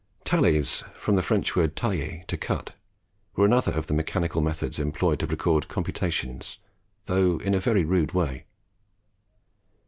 Tallies, from the French word tailler to cut, were another of the mechanical methods employed to record computations, though in a very rude way.